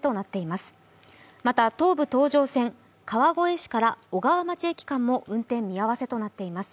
また東武東上線、川越市から小川町駅間も運転見合わせとなっています。